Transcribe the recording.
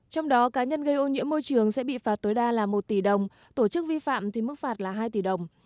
trong đó cá nhân gây ô nhiễm môi trường sẽ bị phạt tối đa là một tỷ đồng tổ chức vi phạm thì mức phạt là hai tỷ đồng